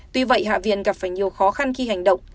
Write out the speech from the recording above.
tuy vậy hạ viện gặp phải nhiều khó khăn khi hành động